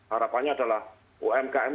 harapannya adalah umkm